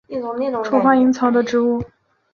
簇花蛇根草为茜草科蛇根草属的植物。